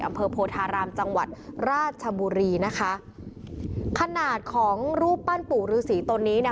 อำเภอโพธารามจังหวัดราชบุรีนะคะขนาดของรูปปั้นปู่ฤษีตนนี้เนี่ย